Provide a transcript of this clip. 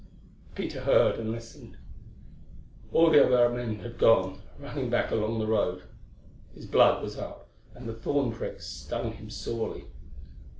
Peter heard him and listened. All the other men had gone, running back along the road. His blood was up, and the thorn pricks stung him sorely.